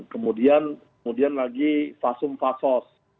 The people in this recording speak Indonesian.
kemudian lagi fasum fasos